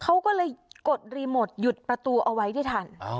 เขาก็เลยกดรีโมทหยุดประตูเอาไว้ได้ทัน